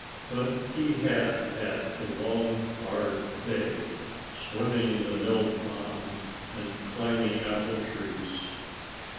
But he had had a long, hard day, swimming in the mill pond and climbing apple trees.